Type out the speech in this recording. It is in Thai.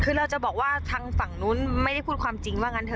คือเราจะบอกว่าทางฝั่งนู้นไม่ได้พูดความจริงว่างั้นเถ